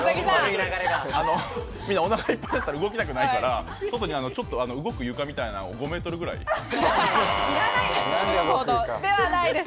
みんな、おなかいっぱいになったら動きたくないから、外に動く床みたいなのを５ｍくらい。ではないです。